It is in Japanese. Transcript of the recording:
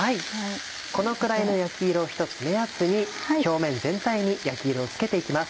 このくらいの焼き色を１つ目安に表面全体に焼き色をつけていきます。